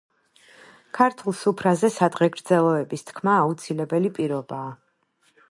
ქართულ სუფრაზე სადღეგრძელოების თქმა აუცილებელი პირობაა.